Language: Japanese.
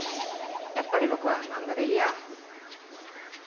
「やっぱりボクは漫画でいいや」。